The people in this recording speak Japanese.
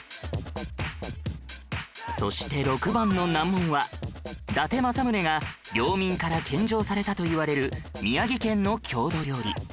そして６番の難問は伊達政宗が領民から献上されたといわれる宮城県の郷土料理